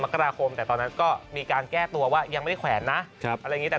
มกราคมแต่ตอนนั้นก็มีการแก้ตัวว่ายังไม่ได้แขวนนะอะไรอย่างนี้แต่